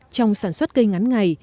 trong sản xuất cây ngắn ngày